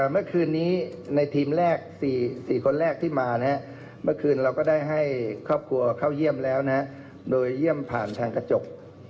เมื่อคืนนี้ในทีมแรก๔คนแรกที่มาเมื่อคืนเราก็ได้ให้ครอบครัวเข้าเยี่ยมแล้วนะโดยเยี่ยมผ่านทางกระจก